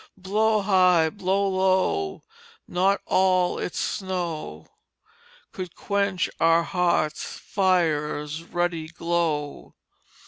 Blow high, blow low, not all its snow Could quench our hearth fire's ruddy glow."